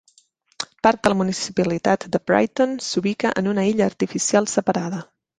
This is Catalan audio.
Part de la municipalitat de Brighton s'ubica en una illa artificial separada.